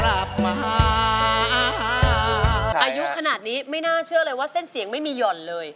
อายุขนาดนี้ไม่น่าเชื่อเลยว่าเส้นเสียงไม่มีหย่อนเลย